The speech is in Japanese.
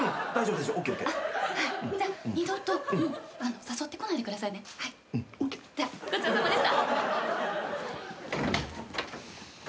ではごちそうさまでした。